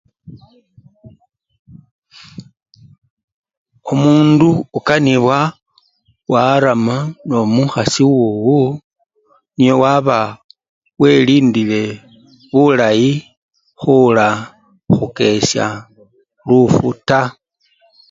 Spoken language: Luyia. Omundu okanibwa warama nomukhasi wowo niowaba welindile bulayi khula khukesya lufu taa.